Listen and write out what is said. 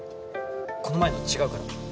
この前の違うから。